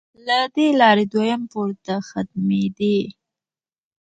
له دې لارې دویم پوړ ته ختمېدې.